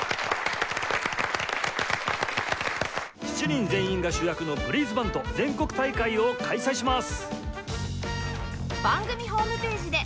７人全員が主役のブリーズバンド全国大会を開催します！